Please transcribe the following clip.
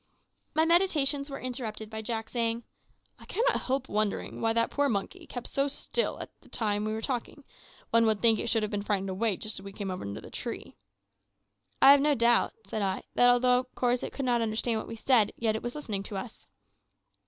My meditations were interrupted by Jack saying "I cannot help wondering why that poor monkey kept so still all the time we were talking. One would think that it should have been frightened away just as we came under the tree." "I have no doubt," said I, "that although of course it could not understand what we said, yet it was listening to us."